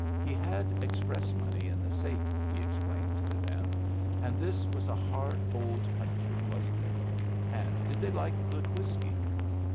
He had express money in the safe, he explained to them, and this was a hard old country, wasn't it? and did they like good whiskey?